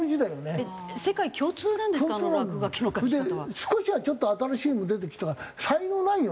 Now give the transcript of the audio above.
少しはちょっと新しいのも出てきた。